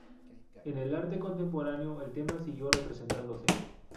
En el arte contemporáneo el tema siguió representándose.